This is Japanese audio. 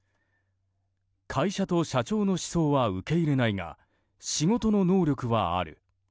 会社と社長の思想は受け入れないが仕事の能力はある。